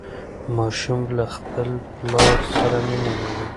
ماشوم له خپل پلار سره مینه لري.